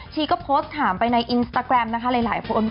ชีก็โพสต์ถามไปในอินสตาแกรมนะคะหลายคน